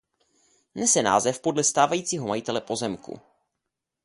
Nese název podle stávajícího majitele pozemku.